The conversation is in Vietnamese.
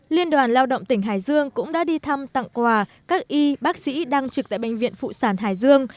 liên đoàn lao động tỉnh hải dương cũng đã đi thăm tặng quà các y bác sĩ đang trực tại bệnh viện phụ sản hải dương